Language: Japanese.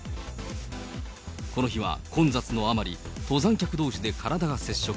この日は混雑のあまり、登山客どうしで体が接触。